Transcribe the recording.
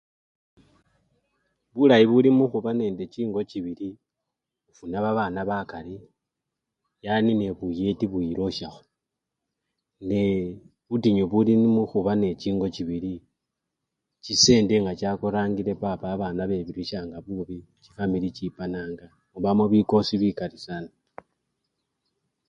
Bulayi buli mukhuba nende chingo chibili, ofuna babana bakali, yani nebuyeti bwiloshakho nee butinyu buli ni! mukhuba ne chingo c hili chibili chisende nga chakorangile papa babana bebirishanga bubi, chifamili chipananga, mubamo bikosi bikali sana.